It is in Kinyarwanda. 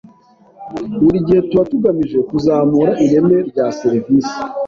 Buri gihe tuba tugamije kuzamura ireme rya serivisi.